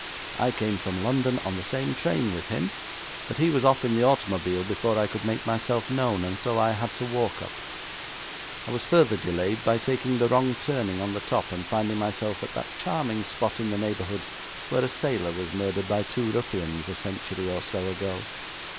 I came from London on the same train with him, but he was off in the automobile before I could make myself known, and so I had to walk up. I was further delayed by taking the wrong turning on the top and finding myself at that charming spot in the neighbourhood where a sailor was murdered by two ruffians a century or so ago.'